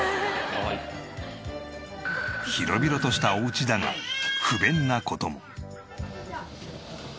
広々としたお家だが不便な事も。